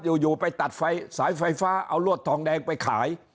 อยู่ไปตัดไฟสายไฟฟ้าเอารวดทองแดงไปขาย